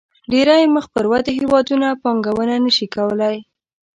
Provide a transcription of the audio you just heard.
ډېری مخ پر ودې هېوادونه پانګونه نه شي کولای.